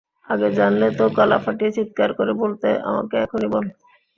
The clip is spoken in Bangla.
আগে জানলে তো গলা ফাটিয়ে চিৎকার করে বলতে, আমাকে এখনই বল।